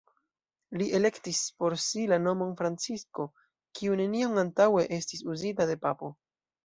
Li elektis por si la nomon Francisko, kiu neniam antaŭe estis uzita de papo.